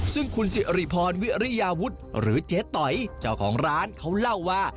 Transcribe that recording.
ซึ่งคุณสิริพรวิริยาวุฒิหรือเจ๊ต๋อยเจ้าของร้านเขาเล่าว่า